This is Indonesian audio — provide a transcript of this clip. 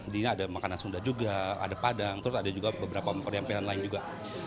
di ini ada makanan sunda juga ada padang terus ada juga beberapa perimpinan lain juga